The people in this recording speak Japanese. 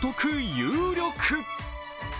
有力。